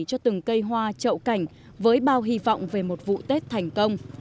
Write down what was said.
cho từng cây hoa trậu cảnh với bao hy vọng về một vụ tết thành công